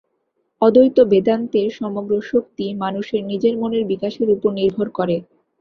অদ্বৈত বেদান্তের সমগ্র শক্তি মানুষের নিজের মনের বিকাশের উপর নির্ভর করে।